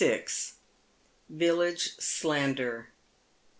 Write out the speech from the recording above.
VILLAGE SLANDER.